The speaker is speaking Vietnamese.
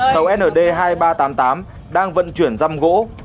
tàu nd hai nghìn ba trăm tám mươi tám đang vận chuyển giam gỗ